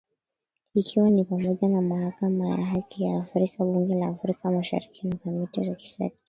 Ikiwa ni pamoja na Mahakama ya Haki ya Afrika, Bunge la Afrika Mashariki na kamati za kisekta.